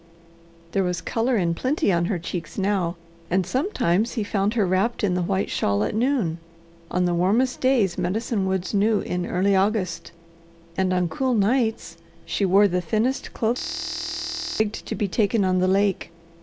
There was colour in plenty on her cheeks now, and sometimes he found her wrapped in the white shawl at noon on the warmest days Medicine Woods knew in early August; and on cool nights she wore the thinnest clothing and begged to be taken on the lake.